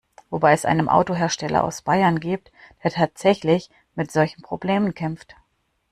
Wobei es einen Autohersteller aus Bayern gibt, der tatsächlich mit solchen Problemen kämpft.